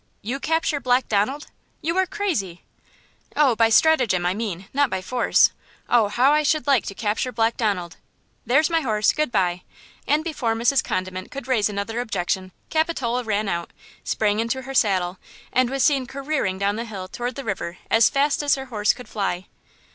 You capture Black Donald! You are crazy!" "Oh, by stratagem, I mean, not by force. Oh, how I should like to capture Black Donald!–There's my horse; good by!" and before Mrs. Condiment could raise another objection Capitola ran out, sprang into her saddle and was seen careering down the hill toward the river as fast as her horse could fly.